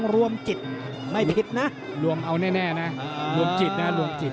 รวมจิตนะครับรวมจิต